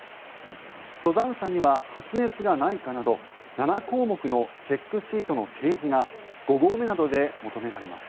登山者には発熱がないかなど７項目のチェックシートの提示が５合目などで求められます。